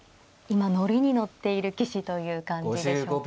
今乗りに乗っている棋士という感じでしょうか。